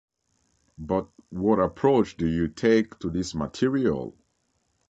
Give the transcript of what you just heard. But what approach do you take to this material?